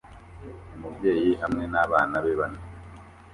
Umubyeyi hamwe n'abana be bane